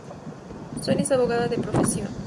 Sonia es abogada de profesión.